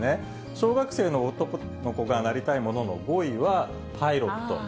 小学生の男の子がなりたいものの５位は、パイロット。